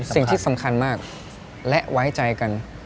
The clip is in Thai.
สิ่งที่สำคัญมากและไว้ใจกัน